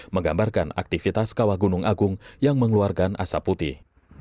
menggambarkan aktivitas kawah gunung agung yang mengeluarkan asap putih